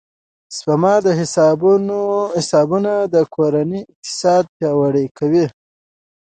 د سپما حسابونه د کورنۍ اقتصاد پیاوړی کوي.